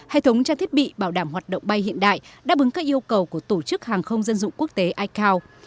hệ thống trang thiết bị bảo đảm hoạt động bay hiện đại đáp ứng các yêu cầu của tổ chức hàng không dân dụng quốc tế icao